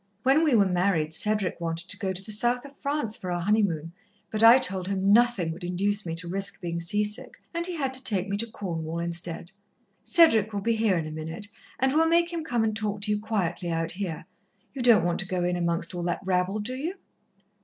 When we were married, Cedric wanted to go to the south of France for our honeymoon, but I told him nothing would induce me to risk being seasick, and he had to take me to Cornwall instead. Cedric will be here in a minute, and we'll make him come and talk to you quietly out here. You don't want to go in amongst all that rabble, do you?"